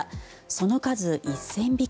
その数１０００匹。